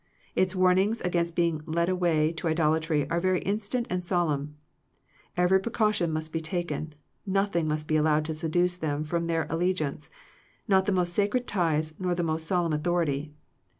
Its warn ings against being led away to idolatry are very instant and solemn. Every pre caution must be taken; nothing must be allowed to seduce them from their al legiance, not the most sacred ties, not the most solemn authority.